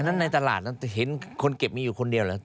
อันนั้นในตลาดน่ะอะไรเห็นคนเก็บมีอยู่คนเดียวหรือ